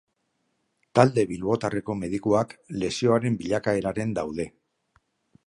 Talde bilbotarreko medikuak lesioaren bilakaeraren daude.